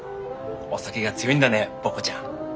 お酒が強いんだねボッコちゃん。